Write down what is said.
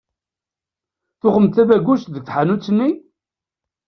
Tuɣem-d tabagust deg tḥanut-nni?